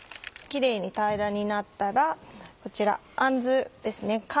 キレイに平らになったらこちらあんずですね。